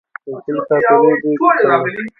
د چین ښاپېرۍ دي که څنګه.